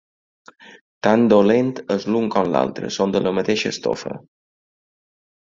Tan dolent és l'un com l'altre: són de la mateixa estofa.